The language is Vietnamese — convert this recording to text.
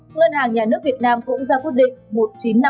ngân hàng nhà nước việt nam cũng ra quyết định